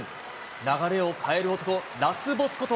流れを変える男、ラスボスこと